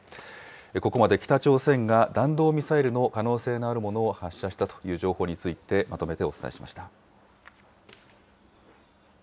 ここまで北朝鮮が弾道ミサイルの可能性があるものを発射したという情報について、まとめてお伝えしました。